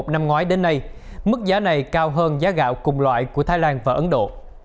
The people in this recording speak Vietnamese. năm ngoái đến nay mức giá này cao hơn giá gạo cùng loại của thái lan và ấn độ